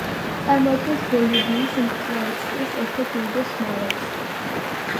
წარმოადგენს ბოლივიის მტკნარი წყლის ერთ-ერთ უდიდეს მარაგს.